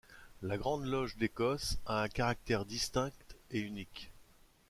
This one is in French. La Grande Loge d'Écosse a un caractère distinct et unique.